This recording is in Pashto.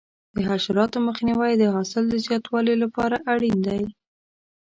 د حشراتو مخنیوی د حاصل د زیاتوالي لپاره اړین دی.